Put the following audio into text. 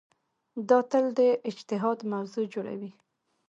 دا تل د اجتهاد موضوع جوړوي.